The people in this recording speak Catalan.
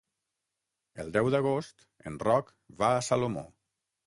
El deu d'agost en Roc va a Salomó.